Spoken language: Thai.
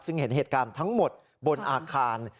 ซึ่งเห็นเหตุการณ์ทั้งหมดบนอาคาร